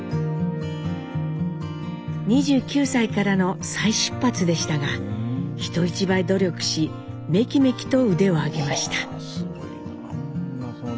２９歳からの再出発でしたが人一倍努力しメキメキと腕を上げました。